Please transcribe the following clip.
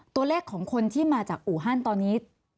ตัวเลขของคนที่มาจากอู่ฮันตอนนี้